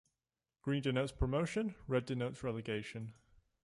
Green denotes promotion, red denotes relegation.